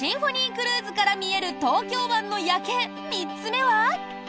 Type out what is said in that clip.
クルーズから見える東京湾の夜景、３つ目は。